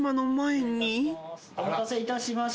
お待たせいたしました。